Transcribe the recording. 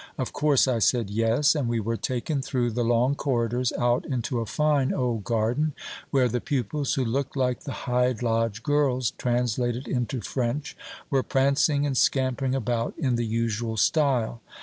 Of course I said yes; and we were taken through the long corridors, out into a fine old garden, where the pupils, who looked like the Hyde Lodge girls translated into French, were prancing and scampering about in the usual style.